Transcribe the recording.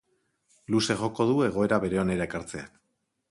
Luze joko du egoera bere onera ekartzeak.